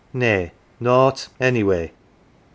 Nay, nought any way. .